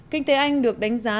kinh tế anh được đánh giá